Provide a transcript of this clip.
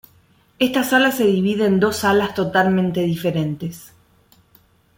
Esta sala se divide en dos salas totalmente diferentes.